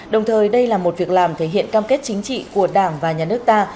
đồng thời đây là một việc làm thể hiện cam kết chính trị của đảng và nhà nước ta